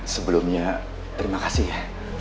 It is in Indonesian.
sebelumnya terima kasih ya